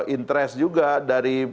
interes juga dari